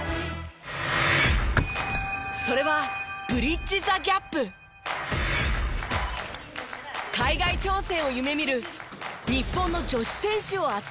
それは海外挑戦を夢見る日本の女子選手を集めた合宿です。